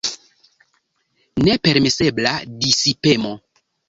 Nepermesebla disipemo.